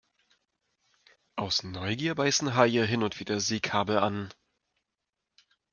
Aus Neugier beißen Haie hin und wieder Seekabel an.